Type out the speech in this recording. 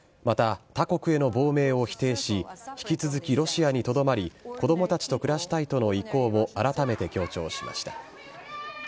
また他国への亡命を否定し、引き続き、ロシアにとどまり、子どもたちと暮らしたいとの意向を改めて強調しました。